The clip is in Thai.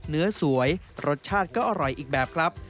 เนื้อสวยรสชาติก็อร่อยอีกแบบครับ